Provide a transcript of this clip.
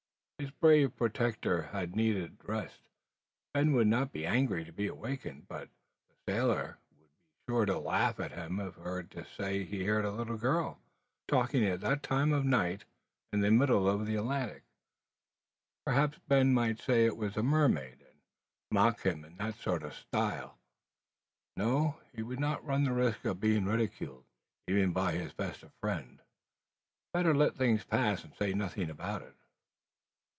His brave protector had need of rest. Ben would not be angry to be awaked; but the sailor would be sure to laugh at him if he were to say he had heard a little girl talking at that time of night in the middle of the Atlantic Ocean. Perhaps Ben might say it was a mermaid, and mock him in that sort of style? No: he would not run the risk of being ridiculed, even by his best of friends. Better let the thing pass, and say nothing about it.